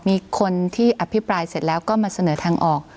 มีคนที่อภิปรายเสร็จแล้วก็มาเสนอทางออก